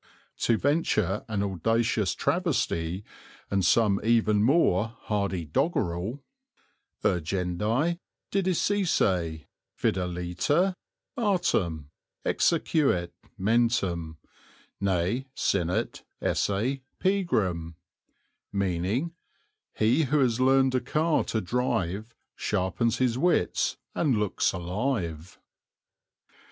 To venture an audacious travesty, and some even more hardy doggerel: ... Urgendi didicisse fideliter artem Exacuit mentem, nee sinit esse pigram. He who has learned a car to drive Sharpens his wits and looks alive.